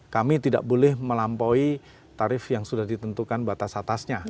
kami tidak boleh melampaui tarif yang sudah ditentukan batas atasnya